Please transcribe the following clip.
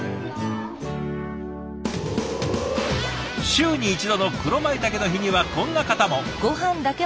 週に１度の黒舞茸の日にはこんな方も。